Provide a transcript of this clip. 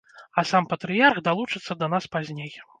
А сам патрыярх далучыцца да нас пазней.